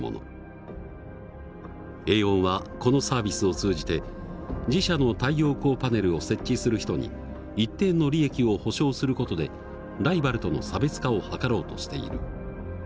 エーオンはこのサービスを通じて自社の太陽光パネルを設置する人に一定の利益を保証する事でライバルとの差別化を図ろうとしている。